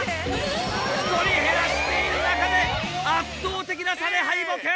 １人減らしている中で圧倒的な差で敗北！